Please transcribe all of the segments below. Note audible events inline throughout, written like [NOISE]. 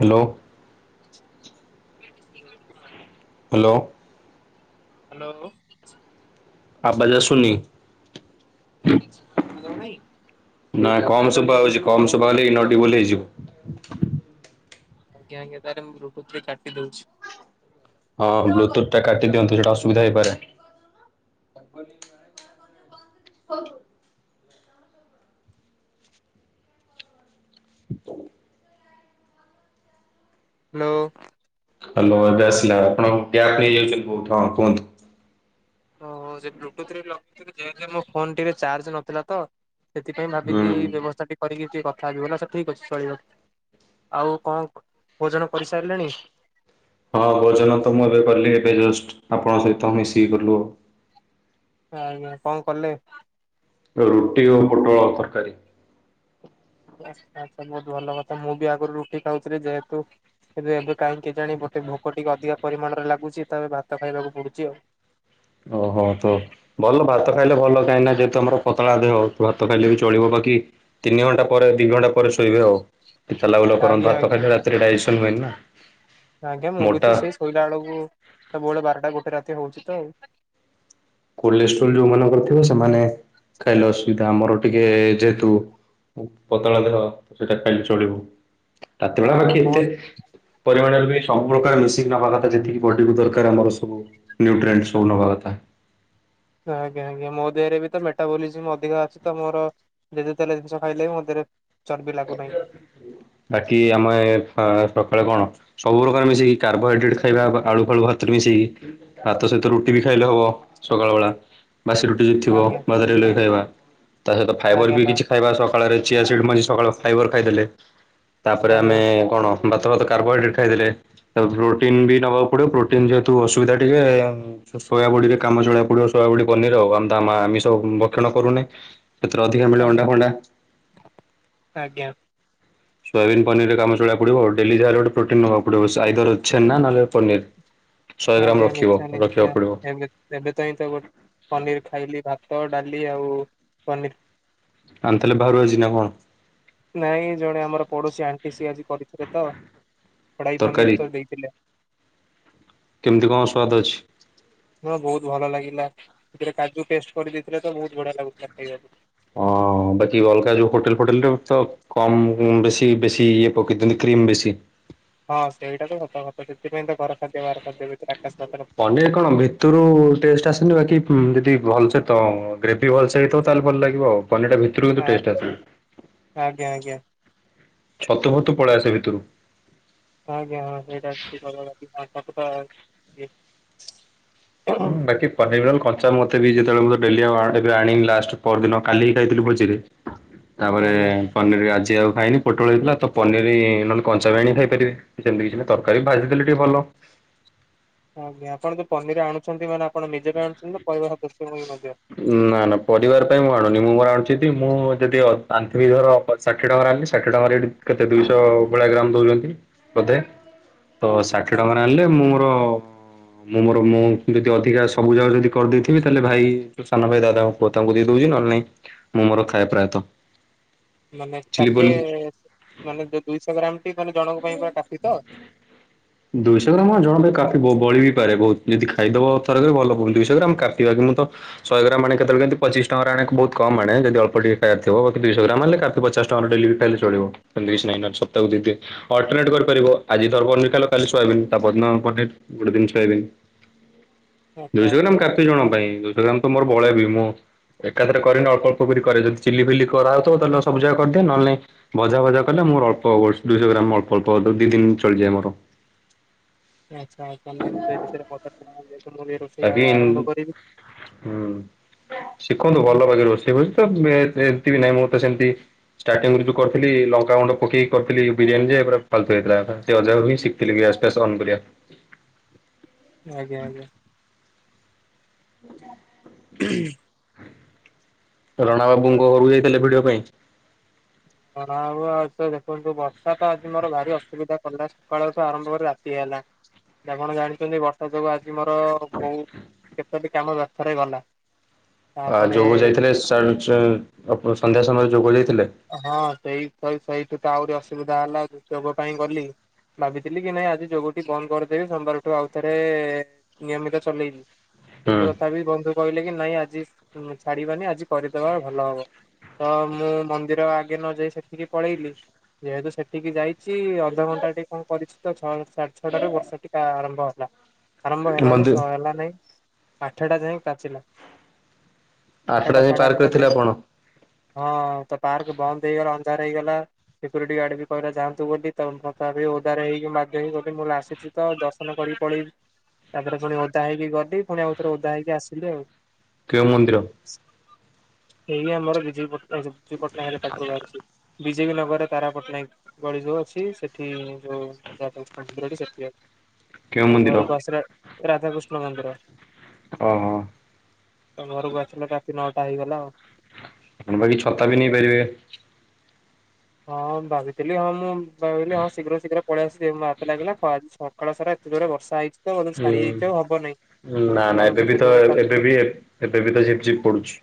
Hello. [UNINTELLIGIBLE] Hello. Hello. ଆବାଜ୍ ଆସୁନି। ଶୁଣାଯାଉ ନାହିଁ? ନା କମ୍ ଶୁଭା ହୋଉଚି କମ ଶୁଭାଗଲେ ଇନ୍ଅଡିବୁଲ ହେଇଯିବ। ଆଜ୍ଞା ଆଜ୍ଞା ତାରେ ମୁଁ ବ୍ଲୁଟୁଥରେ କାଟି ଦୋଉଛି। ହଁ ବ୍ଲୁଟୁଥଟା କାଟିି ଦିଆନ୍ତୁ ସେଟା ଅସୁବିଧା ହେଇପାରେ। ତା ଗଲି ନାହିଁ। ହାଲୋ। ହାଲୋ ଏବେ ଆସିଲା ଆପଣଙ୍କର ପ୍ୟାକ ହେଇଯାଉଚି ବୋହୁତ ହଁ କୁହନ୍ତୁ। ଓହୋ ସେ ବ୍ଲୁଟୁଥରେ ଲଗେଇଥିଲି ଯେହେତୁ ଏ ମୋ ଫୋନ ଟିକେ ଚାର୍ଜ ନଥିଲା ତ। ସେଥିପାଇଁ ହୁଁ ଭାବିଲି ଏଇ ବ୍ୟବସ୍ତାଟି କରିକି ଟିକେ କଥା ହେବି ବୋଲି ସେ ଠିକ ଅଛି ଚଳିବ ଆଉ କଣ ଭୋଜନ କରିସାରିଲେଣି? ହଁ ଭୋଜନ ତ ମୁଁ ଏବେ କଲି ଏବେ ଜଷ୍ଟ୍ ଆପଣଙ୍କ ସହିତ ମିଶିକି କଲୁ ଆଉ। ଆଜ୍ଞା କଣ କଲେ? ରୁଟି ଓ ପୋଟଳ ତରକାରୀ। ଆଛ ଆଛା ବୋହୁତ ଭଲ କଥା ମୁଁ ବି ଆଗରୁ ରୁଟି ଖାଉଥିଲି ଯେହେତୁ ଏବେ ଏବେ କାହିଁକି କେଜାଣି ଗୋଟେ ଭୋକ ଟିକେ ଅଧିକା ପରିମାଣରେ ଲାଗୁଚି ତ ଏବେ ଭାତ ଖାଇବାକୁ ପଡୁଚି ଆଉ। ଓହୋ ତ ଭଲ ଭାତ ଖାଇଲେ ଭଲ କାହିଁକିନା ଯେହେତୁ ତମର ପତଳା ଦେହ। ଭାତ ଖାଇଲେ ବି ଚଳିବ ବାକି ତିନିଘଣ୍ଟା ପରେ ଦିଘଣ୍ଟା ପରେ ଶୋଇବେ ଆଉ। ଏ ଚଲାବୁଲା କରନ୍ ଆଜ୍ଞା ଭାତ ଆଜ୍ଞା ଖାଇଲେ ରାତିରେ ଡାଇଜେସନ୍ ହୁଏନି ନା। ଆଜ୍ଞା ମୁଁ ବି ତ ମୋଟା ସେଇ ଶୋଇଲା ବେଳକୁ ସବୁବେଳେ ବାରଟା ଗୋଟେ ରାତି ହୋଉଚି ତ ଆଉ। କୋଲେଷ୍ଟ୍ରୋଲ ଯୋଉମାନଙ୍କର ଥିବ ସେମାନେ ଖାଇଲେ ଅସୁବିଧା ଆମର ଟିକେ ଯେହେତୁ ଓ ପତଳା ଦେହ ସେଇଟା ଖାଇଲେ ଚଳିବୁ ରାତି ବେଳା ହଁ ବାକି ମୋ ଏତେ ପରିମାଣରେ ବି ସବୁପ୍ରକାର ମିଶିକି ନବା କଥା ଯେତିକି ବଡିକୁ ଦରକାର ଆମର ସବୁ। ନ୍ୟୁଟ୍ରେଣ୍ଟ ସବୁ ନବାକଥା। ଆଜ୍ଞା ଆଜ୍ଞା ମୋ ଦେହରେ ବି ତ ମେଟାବୋଲିଜିମ୍ ଅଧିକା ଅଛି ତ ମୋର ଯେତେ ତେଲ ଜିନିଷ ଖାଇଲେ ବି ମୋ ଦେହରେ ଚର୍ବି ଲାଗୁନାହିଁ। ବାକି ଆମେ ଏ ଫ ସଖାଳେ କଣ? ସବୁ ପ୍ରକାର ମିଶେଇକି କାର୍ବୋହାଇଡ୍ରେଟ୍ ଖାଇବା ବା ଆଳୁଫାଳୁ ଭାତରେ ମିଶେଇକି। ଭାତ ସହିତ ରୁଟି ବି ଖାଇଲେ ହବ ସକାଳ ବେଳା। ବାସି ରୁଟି ଯଦି ଥିବ ଆଜ୍ଞା ଭାତରେ ହେଲେ ବି ଖାଇବା ତା ସହିତ ଫାଇବର ଆଜ୍ଞା ବି ବା କିଛି ଖାଇବା ସଖାଳରେ ଚିଆସିଡ୍ ମଞ୍ଜି ସକାଳ ଫାଇବର୍ ଖାଇଦେଲେ ତାପରେ ଆଜ୍ଞା ଆମେ କଣ ଭାତଫାତ କାର୍ବୋହାଇଡ୍ରେଟ୍ ଖାଇଦେଲେ ତାକୁ ପ୍ରୋଟିନ୍ ବି ନବାକୁ ପଡିବ ପ୍ରୋଟିନ୍ ଯେହେତୁ ଅସୁବିଧା ଟିକେ ଯୋଉ ଶୋୟାବଡିରେ କାମ ଚଳେଆକୁ ପଡିବ ସୋୟବଡି ପନିର ଆଉ ଆମ୍ ତ ଆମ ଆମିଷ ଭକ୍ଷଣ କରୁନେ। ସେଥିରେ ଅଧିକା ମିଳେ ଆଜ୍ଞା ଅଣ୍ଡା ଫଣ୍ଡା। ଆଜ୍ଞା ସୋୟବନ୍ ପନିରରେ କାମ ଚଳକୁ ପଡିବଉ ଡଲି ଯାହାଲେ ଗୋଟ ପ୍ରୋନ୍ ନବାକୁ ପଡିବ ସାଇଦର ଅଛେ ନା ନହଲେ ପନିର୍ ଶହେ ଆଜ୍ଞା ଗ୍ରାମ ରଖିବ ନିଶ୍ଚୟ ନିଶ୍ଚୟ ରଖିବାକୁ ପଡ଼ିବ ଏବେ ଏବେ ତାଇଁ ତ ଗୋଟେ ପନିର ଖାଇଲି ଭାତ ଡାଲି ଆଉ ପନିର ଆ ତାହେ ବାହାରୁ ଆଜିଛି ନା କଣ ନାଇଁ ଜଣେ ଆମର ପଡୋଶୀ ଆଣ୍ଟି ସିଏ ଆଜି କରିଥିଲେ ତ ଖଡ଼ ପନିର ତରକାରୀ? ତ ଦେଇଥିଲେ କେମିତି କଣ ସ୍ୱାଦ ଅଛି ହଁ ବହୁତ ଭଲ ଲାଗିଲା ସେଥିରେ କାଜୁ ପେଷ୍ଟ କରିଦେଇଥିଲେ ତ ବହୁତ ବଢିଆ ଲାଗୁଥିଲା ଖାଇବାକୁ ଅ ବାଚିୱଲକାା ଯେଉ ହଟଲ ଫୋଟଲରେ କମ୍ ବେଶୀ ବେଶୀ ଇଏ ପକେଇଥାନ୍ତି କ୍ରିମ ବେଶୀ ହଁ ସେଇଟା ତ କଥା କଥା ସେଥିପାଇଁ ତ ଘର ଖାଦ୍ୟ ବାହାର ଖାଦ୍ୟ ଭିତରେ ଆକାଶ ପାତାଳ ଫରକ। ପନିର କଣ ଭିତ ଭିତରୁ ଟେଷ୍ଟ ଆସନି ବାକି ଯଦି ଭଲସେ ତ ଗ୍ରେଭି ଭଲସେ ହେଇଥିବ ତାହେଲେ ଭଲ ଲାଗିବ ଆଉ ପନିରଟା ଭିତ କିନ୍ତୁ ଆ ଆଜ୍ଞା ଆଜ୍ଞା ଛତୁ ଫତୁ ପଳେଇ ଆସେ ଭିତରୁ ଆଜ୍ଞା ହଁ ସେଇଟା ହୁଁ ବାକି କ କଚା ମତେ ବି ଯେତେବେଳେ ମୁଁ ଡେଲି ଏବେ ଆଣିନି ଲାଷ୍ଟ ପର ଦିନ କାଲିି ଖାଇଥିଲୁ ପଝିରେ ହ ତାପରେ ପନିର ଆଜି ଆଉ ଖାଇନି ପୋଟଳ ହେଇଥିଲା ତ ପନିର ନହେଲେ କଞ୍ଚାବାଣି ଖାଇପାରିବେ ସେମିତି କିଛି ନା ତରକାରୀ ବି ଭାଜି ଦେଲେ ଟିକେ ଭଲ ଆଜ୍ଞା ଆପଣ ଯୋଉ ପନିର ଆଣୁଛନ୍ତି ମାନେ ଆପଣ ନିଜେ ଆଣୁଛନ୍ତି ନା ପରହିବା ସଦସ୍ୟଙ୍କୁ ବି ମଧ୍ୟ ନା ନା ପରିବାର ପାଇଁ ମୁଁ ଆଣୁନି ମୁଁ ମୋର ଆଣୁଛି ମୁଁ ଯଦି ଆନ୍ତିିବି ଧର ଷାଠିଏ ଟଙ୍କାରେଲି ଷାଠି ଟଙ୍କାରେ ଏଠି କେତେ ଦୁଇଶହ ଭେଳି ଗ୍ରାମ ଦେଉଛନ୍ତି ବୋଧେ ତ ଷାଠିଏ ଟଙ୍କାରେ ଆଜ୍ଞା ଆଣିଲେ ମୁଁ ମୋର ମୁଁ ମୋର ମୁଁ ଯଦି ଟିକା ସବୁ ଯାଗା ଯଦି କରିଦେଇଥିବି ତାହେଲେ ଭାଇ ସାନ ଭାଇ ଦା ପୁଅ ତାଙ୍କୁ ଦେଇ ଦଉଛି ନହେଲେ ନାଇଁ ମୁଁ ମୋର ଖାଏ ପ୍ରାୟତଃ ମାନେ ଚିଲି ଷାଠିଏ ପଲି ମାନେ ଯ ଦୁଇଶହ ଗ୍ରାମଟି ମାନେ ଜଣଙ୍କ ପାଇଁ ପୁରରା କାଶ ତ ଦୁଇଶହ ଗ୍ରାମ ହଁ ଜଣେ କାଫି ବ ବଳି ବି ପାରେ ବହୁତ ଯଦି ଖାଇଦବ ଥରକରେ ଭଲ ଦୁଇଶହ ଗ୍ରାମ କାଟିବା କୁ ମୁଁ ତ ଶହେ ଗ୍ରାମ ଆଣେ କେତେବେଳେ କେମିତି ପଚିଶ ଟଙ୍କାରେ ଆଣେ ବହୁତ କମ ଆଣେ ଯଦି ଅଳପ ଟିକେ ଖାଇବାର ଥିବ ଦୁଇଶହ ଗ୍ରାମ ହେଲେ କାଫି ପଚଶ ଟଙ୍କାରେ ଡେଲିବି ଖାଇଲେ ଚଳିବ ସେନ୍ତି କିଛି ନାଇ ନହେଲେ ସପ୍ତାକୁ ଦିଦି ଅଲ୍ଟର୍ନେଟ କରି କରିବ ଆଜି ଧର ପନିର ଖାଇଲ କାଲି ସୋୟାବିନ୍ ତା ପରଦିନ ପନିର ଗୋଟେ ଦିନ ସୋୟାବିନ୍। ଆଚ୍ଛା ଦୁଇଶହ ଆଚ୍ଛା ଗ୍ରାମ ନାଇଁ କାଫି ଜଣଙ୍କ ପାଇଁ ଦୁଇଶହ ଗ୍ରାମ ତ ମୋର ବଳେବି ମୁଁ ଏକାଥରେ କରେନି ଅଳ୍ପ ଅଳ୍ପ କରି କରେ ଜଦି ଚିଲି ଫିଲି କରାହଉଥବ ତାହଲେ ସବୁ ଜାକ କରିଦିଏ ନହେଲେ ନାଇଁ ଭଜା ଭଜା କଲେ ମୋର ଅଳ୍ପ ଦୁଇଶହ ଗ୍ରାମ ଅଳ୍ପ ଅଳ୍ପ ଦି ଦିନ ଚଳିଯାଏ ମୋର। ଆଚ୍ଛା ତାହେଲେ ଏମିତି ବିଷୟରେ [UNINTELLIGIBLE] ମୁଁ ରୋଷେଇ ବାକି ଆଉ ଆରମ୍ଭ କରିବି। ହୁଁ। ଶିଖନ୍ତୁ ଭଲ ଭାଗି ରୋଷେଇ ବୋଲି ତ ଏମିତି ବି ନାହିଁ ମୁଁ ତ ସେମତି ଷ୍ଟାର୍ଟିଂରୁ ଯୋଉ କରିଥିଲି ଲଙ୍କା ଗୁଣ୍ଡ ପକେଇକି କରିଥିଲି ବିରିୟାନୀ ଯେ ଫାତୁ ହେଇଥିଲା ଅଜା ହଁ ଶିଖଥିଲି ଗ୍ୟାସ୍ ଫେସ୍ ଅନ୍କରିବା ଆଜ୍ଞା ଆଜ୍ଞା [INAUDIBLE] ହୁଁ ରଣା ବାବୁଙ୍କ ଘରୁ ଯାଇଥିଲେ ଭିଡିଓ ପାଇଁ ହଁ ଆଉ ଦେଖନ୍ତୁ ବର୍ଷା ତ ଆଜି ମୋର ଭାରି ଅସୁବିଧା କଲା ସକାଳଠୁ ଆରମ୍ଭ କରି ରାତି ହେଲା ସିଏ କନ ଜାଣିଛନ୍ତି ବର୍ଷା ସେଯୋଗୁ ଆଜି ମୋର ବହୁତ କେତେ ବି କାମ ବ୍ୟଥରେ ଗଲା ଆ ତାପରେ ଯୋଗ ଯାଇଥିଲେ ସନ୍ଧ୍ୟା ସମୟରେ ଯୋଗ ଯାଇଥିଲେ ହଁ ସେଇ ସେଇଠୁ ତ ଆହୁରି ଅସୁବିଧା ହେଲା ଯୋଗ ପାଇଁ ଗଲି ଭାବିଥିଲି କି ନାଇଁ ଆଜି ଯୋଗଟି ବନ୍ଦ କରିଦେବି ସୋମବାରଠୁ ଆଉଥରେ ନିୟମିତ ଚଲେଇବି ହୁଁ କିନ୍ତୁ ତଥାପି ବନ୍ଧ କହିଲେ କି ନାଇଁ ଆଜି ଛାଡିବାନି ଆଜି କରିଦବା ଭଲ ହବ ତ ମୁଁ ମନ୍ଦିର ଆଗେ ନ ଯାଇ ସେଠିକି ପଳେଇଲି ଯେହେତୁ ସେଠିକି ଯାଇଛି ଅଧଘଣ୍ଟା ଟିକେ କଣ କରିଛି ଛଅ ସାଡେ ଛଅଟାରୁ ବର୍ଷ ଟିକା ଆରମ୍ଭ ହେଲା ଆରମ୍ଭ ହେଲା ଯେ ମନ୍ଦିର ସ ହେଲା ନାଇଁ ଆଠଟା ଯାଇଏ କାଚିଲା। ଆଠଟା ଯାଏ ପାର୍କ ରେ ଥିଲା ଆପଣ। ହଁ ତ ପାର୍କ ବନ୍ଦ ହେଇଗଲା ଅନ୍ଧାର ହେଇଗଲା। ସିକ୍ୟୁରିଟି ଗାର୍ଡ ବି କହିଲା ଯାନ୍ତୁ ବୋଲି ତ ତଥାବି ଓଦାରେ ହେଇକି ମାଡିହାଇଗଲି ମୁଁ ଆସିଛି ତ ଦର୍ଶନ କରିକି ପଳେଇବି ତାପରେ ପୁଣି ଓଦା ହେଇକି ଗଲି ପୁଣି ଆଉଥରେ ଓଦା ହେଇକି ଆସିଲି ଆଉ। କେଉଁ ମନ୍ଦିର? ଏଇ ଆମର ବିଜଟ ବିଜୁ ପଟ୍ଟନାୟକ ହେଲେ ପାଟ୍ର ବାହାରୁ ଅଛି। ବିଜେପି ନଗରରେ ତାରା ପଟ୍ଟନାୟକ। ଗଳି ଯୋଉ ଅଛି ସେଠି ଯୋଉ କେଉଁ ତ ମନ୍ଦିର ଘରକୁ ଆସିଲେ ରାଧାକୃଷ୍ଣ ମନ୍ଦିର। ଓହୋ। ତ ଘରକୁ ଆସିଲେ ରାତି ନଅଟା ହେଇଗଲା ଆଉ। ଆପଣ ବାକି ଛତା ବି ନେଇପାରିବେ। ହଁ ଭାବିଥିଲି ହଁ ମୁଁ ଭାବିଲି ହଁ ଶୀଘ୍ର ଶୀଘ୍ର ପଳେଇ ଆ ସିବି ବାତି ଲାଗିଲା ଛଅ ସକାଳ ସାରା ଏତେଜୋର ବର୍ଷା ହେଇଛି ତ ହୁଁ ଛାଡିଯାଇଛି ଆଉ ହବନହିଁ ନା ନା ଦେଖିଲା ଏବେ ବେଳକୁ ବି ଏତେ ତ ଜୋରେ ଏବେ କାଚିଲା। ବି ଏବେ ବି ତ ଝିପ୍ ଝିପ୍ ପଡୁଛି।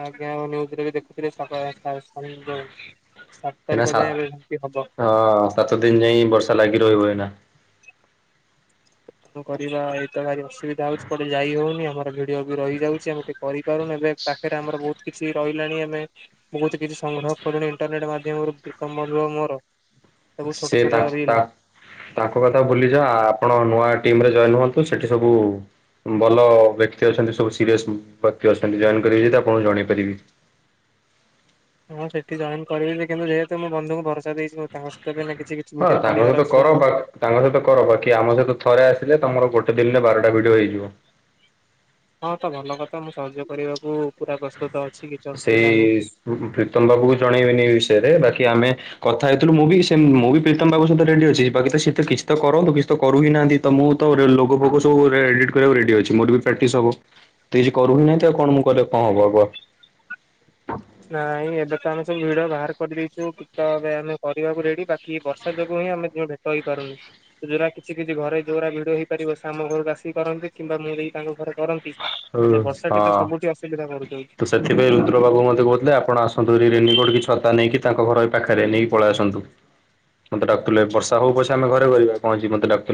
ଆଜ୍ଞା ଆଉନ୍ୟୁଜ ରେ ବି ଦେ ସେଥିରେ ସଫାଲେଖା ହେଇଚି ସାତ ଏଇନା ତାରିଖ ସାତ ଯାଏଁ ଏ ଏମିତି ହବ। ହଁ ସାତ ଦିନ ଯାଇଁ ବର୍ଷା ଲାଗି ରହିବ ଏଇନା। କଣ କରିବା ଏଇତ ଭାରି ଅସୁବିଧା ହଉଛି କୁଆଡେ ଯାଇ ହଉନି ଆମର ଭିଡିଓ ବି ରହିଯାଉଛି ଆମେ ଟିକେ କରି ପାରୁନ ଏବେ ପାଖରେ ଆମର ବହୁତ କିଛି ରହିଲାଣି ଆମେ ବହୁତ କିଛି ସଂଗ୍ରହ କଲୁଣି ଇଣ୍ଟରନେଟ ମାଧ୍ୟମରୁ ଦ କମରୁ ମୋର। ସବୁ ଛୋଟ ସେ ଛୋଟ ତା ରିଲ ତା ତାଙ୍କ କଥା ଭୁଲିଯାଉ ଆପଣ ନୂଆ ଟିମରେ ଜଏନ ହୁଅନ୍ତୁ ସେଠି ସବୁ ଭଲ ବ୍ୟକ୍ତି ଅଛନ୍ତି ସବୁ ସିରିୟସ ବ୍ୟକ୍ତି ଅଛନ୍ତି ଜଏନ୍ କରିବେ ଯଦି ଆପଣଙ୍କୁ ଜଣେଇ ପାରିବି। ହଁ ସେଠି ଜଏନ୍ କରିବି ଯେ କିନ୍ତୁ ଯେହେତୁ ମୁଁ ବନ୍ଧୁଙ୍କୁ ଭରସା ଦେଇଛି ମୁଁ ତାଙ୍କ ସହିତ ଏବେ ଏନା ବି କିଛି ହଁ ଭିଡିଓ ତାଙ୍କ କରିବାର ସହିତ ଅଛି ତ କର ବା ତାଙ୍କ ସହିତ କର ବାକି ଆମ ସହିତ ଥରେ ଆସିଲେ ତମର ଗୋଟେ ଦିନରେ ବାରଟା ଭିଡିଓ ହେଇଯିବ। ହଁ ତ ଭଲ କଥା ମୁଁ ସହଜ କରିବାକୁ ପୁରା ପ୍ରସ୍ତୁତ ଅ ସେଇ ପ୍ରୀତମ ବାବୁ କୁ ଜଣେଇବେନି ଏଇ ବିଷୟରେ ବାକି ଆମେ କଥା ହେଇଥିଲୁ ମୁଁ ବି ସେ ମୁଁ ବି ପ୍ରୀତମ ବାବୁ ସହିତ ରେଡି ଅଛି ବାକି ସେ ତ କିଛି ତ କରନ୍ତୁ କିଛି ତ କରୁ ହି ନାହାନ୍ତି। ତ ମୁଁ ତ ଲୋଗ ଫୋଗ ସବୁ ରେ ଏଡିଟ୍ କରିବାକୁ ରେଡି ଅଛି ମୋର ବି ପ୍ରାକ୍ଟିସ୍ ହବ। ତ କିଛି କରୁ ହିଁ ନାହାନ୍ତି ତ ଆଉ ମୁଁ କଣ ମୁଁ କଲେ କଣ ହବ ଆଗୁଆ। [INAUDIBLE] ନାଇଁ ଏବେ ତ ଆମେ ସବୁ ଭିଡ ବାହାର କରିଦେଇଛୁ ତ ଏବେ ଆମେ କରିବାକୁ ରେଡି ବାକି ବର୍ଷା ଯୋଗୁଁ ହିଁ ଆମେ ଦିହେଁ ରହିପାରୁନି। ଯୋଉରା କିଛି କିଛି ଘରେ ଯୋଉରା ଭିଡଓ ହେଇପାରିବ ସେ ଆମ ଘରକୁ ଆସି କରନ୍ତି କିମ୍ବା ମୁଁ ଯଇ ତାଙ୍କ ଘରେ କରନ୍ତି। ହେଲେ ହଁ। ବର୍ଷା ଟି ତ ସବୁଠି ଅସୁବିଧା କରୁଛି। ଏଥିପାଇ ରୁଦ୍ର ବାବୁ ମୋତେ କହୁଥିଲେ ଆପଣ ଆସନ୍ତୁ ଏ ରେନିକୋଟ କି ଛତା ନେଇକି ତାଙ୍କ ଘର ଏଇ ପାଖରେ ନେଇକି ପଳେଇ ଆସନ୍ତୁ। ମତେ ଡାକୁ ଥିଲେ ବର୍ଷା ହଉ ପଛେ ଆମେ ଘରେ ବଇବା କଣ ହେଇଛି ମତୋ ଡାକ୍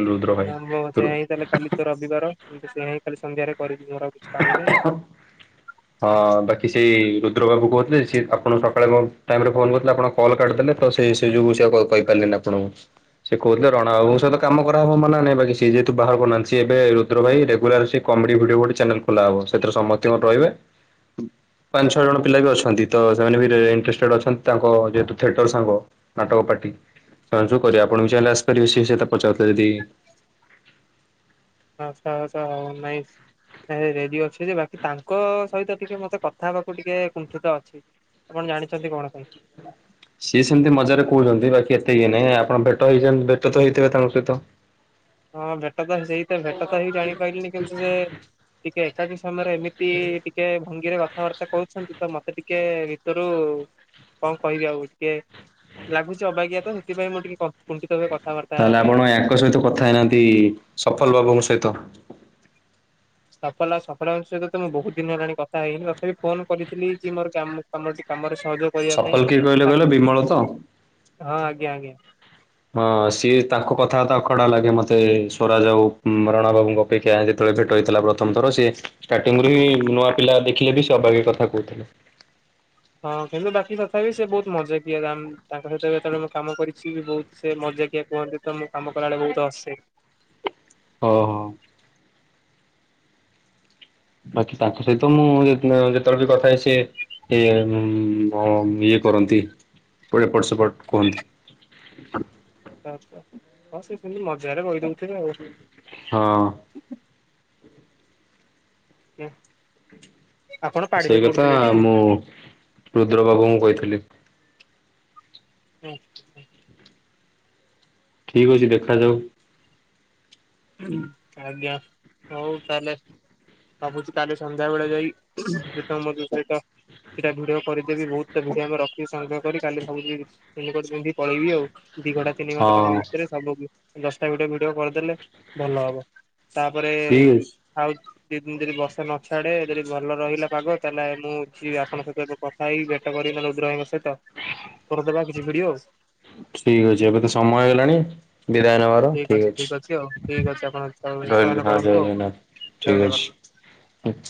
ନା ମୋ ଚେଇଁ ତାହେଲେ କାଲି ତ ରବିବାର କିନ୍ତୁ ସେୟା ହିଁ କାଲି ସଧ୍ୟାରେ କରିବି ମୋର ଆଉ କିଛି କାମ ନାହିଁ। [UNINTELLIGIBLE] ହଁ ବାକି ସେଇ ରୁଦ୍ର ବାବୁ କହୁଥିଲେ ସେ ଆପଣ ସକାଳେ କଣ ଟାଇମରେ ଫୋନ କରିଥିଲେ ଆପଣ କଲ୍ କାଟି ଦେଲେ ତ ସେ ଯୁ ସେ କହିପାରିଲି ଆପଣଙ୍କୁ ସେ କହୁଥିଲେ ରଣାବାବଙ୍କ ସହିତ କାମ କ ବା ହୋ ମନା ନାହିଁ ବାକି ସେ ଯେହେତୁ ବାହ ବନାନ୍ତି ସେ ଏବେ ରୁଦ୍ର ଭାଇ ରେଗୁଲାର ସେ କମେଡି ଭିଡିଉ ଗୋଟେ ଚ୍ୟାନେଲ ଖୋଲା ହବ। ସେଥିରେ ସମସ୍ଥିଙ୍କ ରହିବେ। ପାଞ୍ଚଛଅ ଜଣ ପିଲା ବି ଅଛନ୍ତି ତ ସେମାନେ ବି ରେ ଇଣ୍ଟେରେଷ୍ଟେଡ଼ ଅଛନ୍ତି ତାଙ୍କ ଯେହେତୁ ଥେଟର ସାଙ୍ଗ। ନାଟକ ପାଟି ସେମାନେ ସବୁ କରିବେ ଆପଣ ବି ଚାହିଁଲେ ଆସି ସେ ସେହି କଥା ପଚାରୁ ଥିଲେ ଯଦି [UNINTELLIGIBLE] ରେଡି ଅଛି ଯେ ବାକି ତାଙ୍କ ସହିତ ଟିକେ ମତେ କଥା ହେବାକୁ ଟିକେ କୁଣ୍ଠିତ ଅଛି। ଆପଣ ଜାଣିଛନ୍ତି କଣ ପାଇଁ। ସିଏ ସେମିତି ମଜାରେ କହୁଛନ୍ତି ବାକି ଏତେ ଇଏ ନାଇଁ ଆପଣ ଭେଟ ହେଇଛନ୍ତି ଭେଟ ତ ହେଇଥିବେ ତାଙ୍କ ସହିତ। ହଁ ଭେଟ ତ ସେଇତ ଭେଟ ତ ହେଇ ଜାଣିପାରିଲିନି କିନ୍ତୁ ଯେ ଟିକେ ଏକାକି ସମୟରେ ଏମିତି ଟିକେ ଭଙ୍ଗୀରେ କଥାବାର୍ତ୍ତା କରୁଛନ୍ତି। ତ ମତେ ଟିକେ ଭିତରୁ କଣ କହିବି ଆଉ ଟିକେ। ଲାଗୁଛି ଅବାଗିଆ ତ ସେଥିପାଇଁ ମୁଁ ଟିକେ କୁଣ୍ଠିତ ହୁଏ କଥାବାର୍ତ୍ତା ହେବା ପାଇଁ ଆଉ। ତାଙ୍କ ସହିତ କଥା ହେଇନାହାନ୍ତି ସଫଲ ବାବୁଙ୍କ ସହିତ। ସଫଲ ସଫଲବାବୁଙ୍କ ସହିତ ତ ମୁଁ ବହୁତ ଦିନ ହେଲାଣି କଥା ହେଇନି ତଥାପି ଫୋନ କରିଥିଲି କି ମୋର କାମ-କାମରେ ସହଯୋଗ କରିବା ପାଇଁ। ସଫଲ କିିଏ କହିଲେ କହିଲ ବିମଳ ତ। ହଁ ଆଜ୍ଞା ଆଜ୍ଞା। ହଁ ସିଏ ତାଙ୍କ କଥାବାର୍ତ୍ତା ଅଖାଡୁଆ ଲାଗେ ମତେ ସ୍ୱରାଜ ଆଉ ରଣା ବାବୁଙ୍କ ଅପେକ୍ଷା ଯେତେବେଳେ ଭେଟ ହେଇଥିଲା ପ୍ରଥମ ଥର ସେ ଷ୍ଟାର୍ଟିଂରୁୁ ହିଁ ନୂଆ ପିଲା ଦେଖିଲେ ବି ସେ ଅବାଗିଆ କଥା କହୁଥିଲେ। ହଁ କିନ୍ତୁ ବାକି ତଥାପି ସେ ବହୁତ ମଜାକିଆ ତାଙ୍କ ସହିତ ଯେତେବେଳେ ମୁଁ କାମ କରିଛି ବି ବହୁତ ସେ ମଜାକିଆ। କୁହନ୍ତି ତ ମୁଁ କାମ କଲାବେଳେ ବହୁତ ହସେ। ଓ ହଁ। ବାକି ତାଙ୍କ ଆଚ୍ଛା ସହିତ ମୁଁ ଯେତେବେଳେ ବି କଥା ହେଇଛି ସେ-ଇଏ-ହ-ଇଏ କରନ୍ତି। ପୋଡ଼ି ଏପଟ ସେପଟ କୁହନ୍ତି। ଆଛା ହଁ ସେ ସେମିତି ମଜାରେ କହିଦଉ ହଁ। କ [UNINTELLIGIBLE] ସେଇ କଥା ମୁଁ ରୁଦ୍ରବାବୁଙ୍କୁ କହିଥିଲି। [UNINTELLIGIBLE] ଠିକ୍ ଅଛି ଦେଖାଯାଉ। ଆଜ୍ଞା ହଉ ତାହଲେ। ଭାବୁଛି କାଲି ସନ୍ଧ୍ୟାବେଳେ ଯାଇ ତମ ସଇଟ। ସେଇଟା ଭିଡିଓ କରିଦେବି ବହୁତ ତ ଭିଡିଓ ଆମେ ରଖିଛୁ ସଂଗ୍ରହ କରି କାଲି ସବୁ ଯିବି ରେନକୋଟ ପିନ୍ଧି ପଳେଇି ଆଉ। ଦି ଘଣ୍ଟା ତିନି ହଁ ଘଣ୍ଟା ତାଙ୍କ ଭିତରେ ସବୁ ଦଶଟା ଗୋଟେ ଭିଡିଓ କରିଦେଲେ। ଭଲ ହବ। ତାପରେ ଠିକ ଅଛି। ଆଉ ଦିଇ ଦିନ ଯଦି ବସା ନ ଛାଡେ ଯଦି ଭଲ ରହିଲା ପାଗ ତାହେଲେ ମୁଁ ଯିବି ଆପଣଙ୍କ ସହିତ ଏବେ କ ଖାଇକ ଭେଟ କରିବି ମାନେ ରୁଦ୍ରଭାଇଙ୍କ ସହିତ କରିଦବା କିଛି ଭିଡିଓ ଆଉ। ଠିକ ଅଛି ଏବେ ତ ସମୟ ହେଲାଣି ବିଦାୟ ନେବାର ଅଛି ଠିକ ଆଉ ଠିକ ଅଛି। ଅଛି ଆପଣ ରହିଲି ଚୟନ ହଉ କରନ୍ତୁ ଜୟ ଆଉ ଜଗନ୍ନାଥ, ଜୟ ଠିକ ଜଗନ୍ନାଥ। ଅଛି।